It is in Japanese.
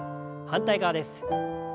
反対側です。